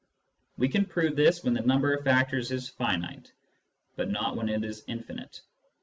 We can prove this when the number of factors is finite, but not when it is infinite.